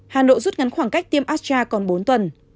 hà nội rút ngắn khoảng cách tiêm astra còn bốn tuần